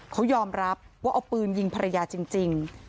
เขายอมรับว่าเอาปืนยิงภรรยาจริง